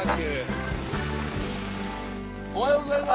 おはようございます。